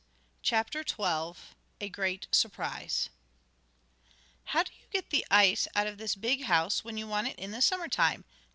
CHAPTER XII A GREAT SURPRISE "How do you get the ice out of this big house when you want it in the summer time?"